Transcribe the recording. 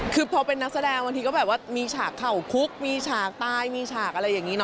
คือพอเป็นนักแสดงบางทีก็แบบว่ามีฉากเข่าคุกมีฉากตายมีฉากอะไรอย่างนี้นะ